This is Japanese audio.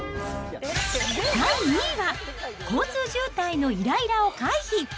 第２位は、交通渋滞のイライラを回避！